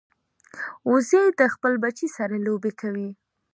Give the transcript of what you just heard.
وزې د خپل بچي سره لوبې کوي